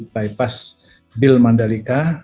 bypass bill mandalika